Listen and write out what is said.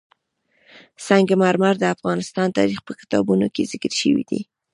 سنگ مرمر د افغان تاریخ په کتابونو کې ذکر شوی دي.